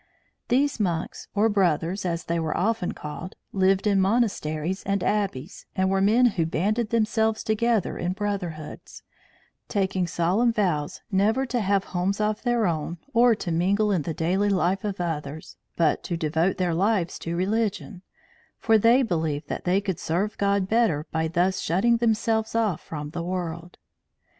These monks, or brothers, as they were often called, lived in monasteries and abbeys, and were men who banded themselves together in brotherhoods, taking solemn vows never to have homes of their own or to mingle in the daily life of others, but to devote their lives to religion; for they believed that they could serve God better by thus shutting themselves off from the world.